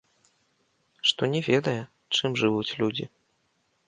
Што не ведае, чым жывуць людзі.